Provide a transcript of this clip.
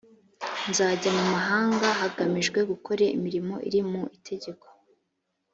nzajya mu mahanga hagamijwe gukora imirimo iri mu itegeko